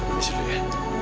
sini dulu ya